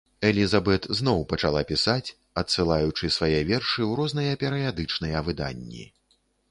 Элізабет зноў пачала пісаць, адсылаючы свае вершы ў розныя перыядычныя выданні.